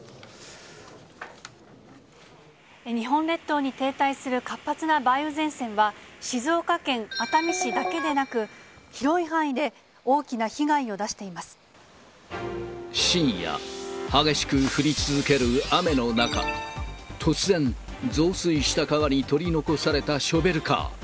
日本列島に停滞する活発な梅雨前線は、静岡県熱海市だけでなく、広い範囲で大きな被害を出し深夜、激しく降り続ける雨の中、突然、増水した川に取り残されたショベルカー。